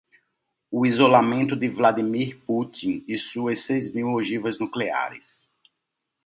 O isolamento de Vladimir Putin e suas seis mil ogivas nucleares